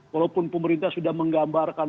walaupun pemerintah sudah menggambarkan